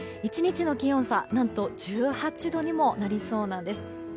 １日の気温差、何と１８度にもなりそうなんです。